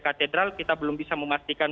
katedral kita belum bisa memastikan